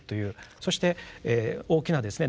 そして大きなですね